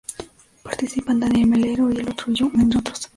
Participan Daniel Melero y El Otro Yo, entre otros.